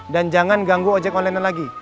dan jangan ganggu ojek online nya lagi